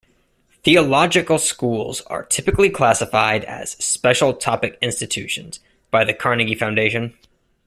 Theological schools are typically classified as "Special Topic Institutions" by the Carnegie Foundation.